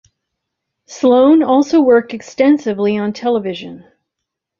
Sloane also worked extensively on television.